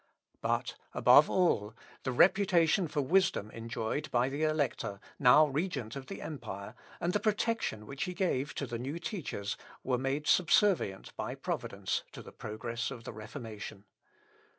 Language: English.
But, above all, the reputation for wisdom enjoyed by the Elector, now regent of the empire, and the protection which he gave to the new teachers, were made subservient by Providence to the progress of the Reformation.